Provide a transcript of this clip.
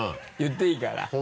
言っていいから。